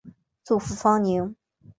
祖父方宁。